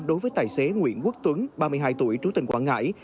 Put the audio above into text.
đối với tài xế nguyễn quốc tuấn ba mươi hai tuổi trú tỉnh quảng ngãi